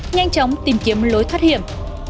nhanh chóng tìm kiếm lối thoát hiểm